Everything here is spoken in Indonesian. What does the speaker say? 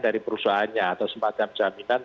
dari perusahaannya atau semacam jaminan